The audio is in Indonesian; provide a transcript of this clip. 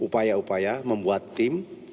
upaya upaya membuat tim